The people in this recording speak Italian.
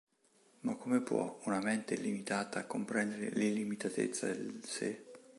Ma come può una mente limitata comprendere l'illimitatezza del Sé?